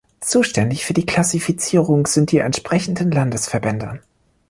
Zuständig für die Klassifizierung sind die entsprechenden Landesverbände.